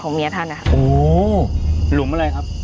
โหลงอะไรครับ